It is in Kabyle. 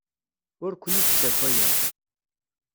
Ur ken-id-ssakayeɣ.